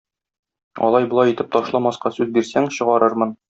Алай-болай итеп ташламаска сүз бирсәң, чыгарырмын.